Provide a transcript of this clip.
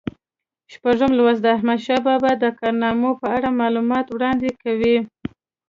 شپږم لوست د احمدشاه بابا د کارنامو په اړه معلومات وړاندې کوي.